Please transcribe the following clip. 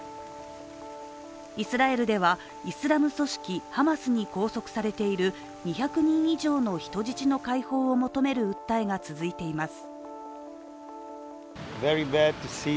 イスラエルでは、イスラム組織ハマスに拘束されている２００人以上の人質の解放を求める訴えが続いています。